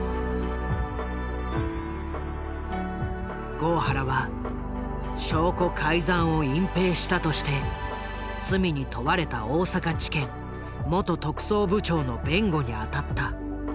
郷原は証拠改ざんを隠蔽したとして罪に問われた大阪地検元特捜部長の弁護にあたった。